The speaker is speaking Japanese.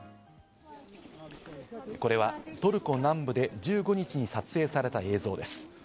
これはトルコ南部で１５日に撮影された映像です。